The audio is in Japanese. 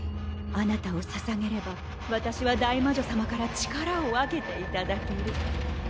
あなたをささげれば私は大魔女様から力を分けていただける。